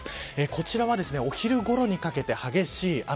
こちらはお昼ごろにかけて激しい雨。